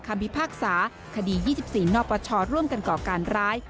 พิพากษาคดี๒๔นปชร่วมกันก่อการร้าย